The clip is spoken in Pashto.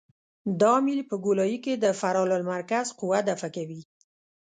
دا میل په ګولایي کې د فرار المرکز قوه دفع کوي